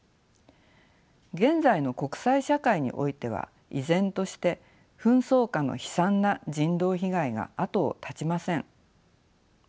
現在の国際社会においては依然として紛争下の悲惨な人道被害が後を絶ちません。